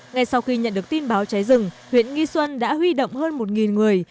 ngay sau khi nhận được tin báo cháy rừng huyện nghi xuân đã huy động hơn một người